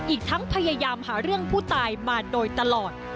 อีกทั้งพยายามหาเรื่องผู้ตายมาโดยตลอด